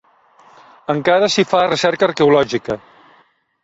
Encara s'hi fa recerca arqueològica.